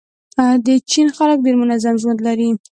د چین خلک ډېر منظم ژوند لري.